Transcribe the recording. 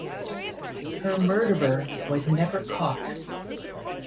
Her murderer was never caught.